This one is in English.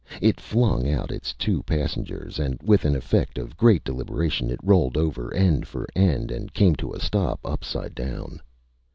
It flung out its two passengers and with an effect of great deliberation it rolled over end for end and came to a stop upside down.